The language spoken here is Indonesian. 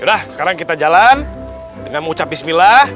udah sekarang kita jalan dengan mengucap bismillah